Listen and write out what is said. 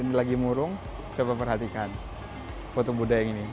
ini lagi murung coba perhatikan foto budaya ini